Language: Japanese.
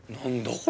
これ。